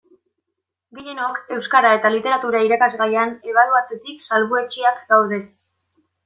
Gehienok Euskara eta Literatura irakasgaian ebaluatzetik salbuetsiak gaude.